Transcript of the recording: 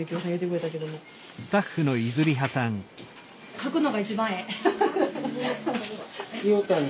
書くのが一番ええ。